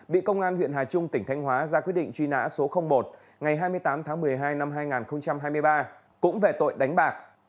bị công an huyện hà trung tỉnh thanh hóa ra quyết định truy nã số một ngày hai mươi tám tháng một mươi hai năm hai nghìn hai mươi ba cũng về tội đánh bạc